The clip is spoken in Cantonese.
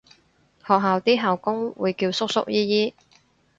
學校啲校工會叫叔叔姨姨